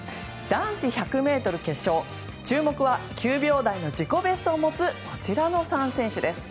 男子１００ｍ決勝、注目は９秒台の自己ベストを持つこちらの３選手です。